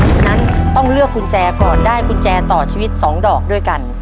ฉะนั้นต้องเลือกกุญแจก่อนได้กุญแจต่อชีวิต๒ดอกด้วยกัน